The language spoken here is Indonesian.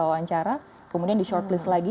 wawancara kemudian di shortlis lagi